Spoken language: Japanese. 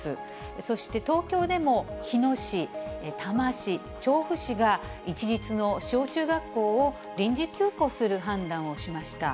そして東京でも、日野市、多摩市、調布市が、市立の小中学校を臨時休校する判断をしました。